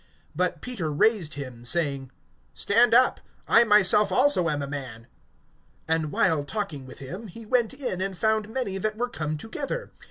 (26)But Peter raised him, saying: Stand up; I myself also am a man. (27)And while talking with him, he went in, and found many that were come together.